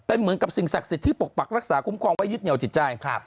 เป็นเหมือนกับสิ่งศักดิ์สิทธิ์ที่ปกปักรักษาคุ้มครองไว้ยึดเหนียวจิตใจ